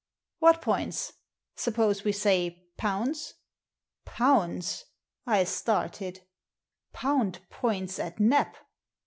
"What points ? Suppose we say pounds ?" Pounds ! I started. Pound points at Nap